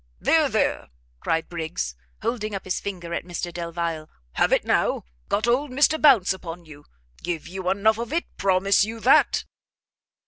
"There, there!" cried Briggs, holding up his finger at Mr Delvile, "have it now! got old Mr Bounce upon you! give you enough of it; promise you that!"